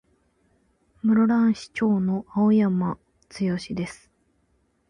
室蘭市長の青山剛です。